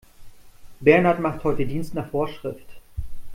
Bernhard macht heute Dienst nach Vorschrift.